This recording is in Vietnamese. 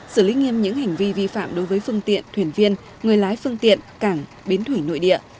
xử lý nghiêm những hành vi vi phạm đối với phương tiện thuyền viên người lái phương tiện cảng bến thủy nội địa